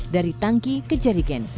dari tangki ke jadigin